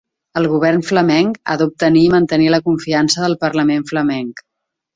El govern flamenc ha d'obtenir i mantenir la confiança del parlament flamenc.